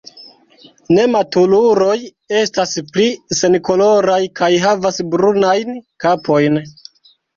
Nematuruloj estas pli senkoloraj kaj havas brunajn kapojn.